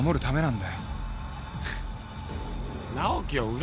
ん？